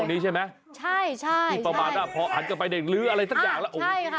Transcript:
อันนี้เป็นช่วงนี้ใช่ไหมพี่ประมาณน่ะพอหันกลับไปเด็กลื้ออะไรตัดอย่างแล้ว